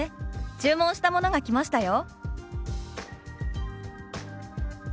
注文したものが来ましたよ」。